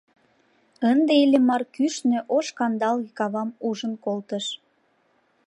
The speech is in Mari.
Ынде Иллимар кӱшнӧ ош-кандалге кавам ужын колтыш.